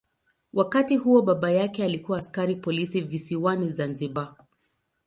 Wakati huo baba yake alikuwa askari polisi visiwani Zanzibar.